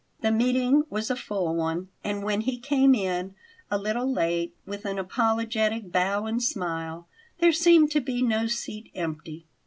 The meeting was a full one, and when he came in, a little late, with an apologetic bow and smile, there seemed to be no seat empty.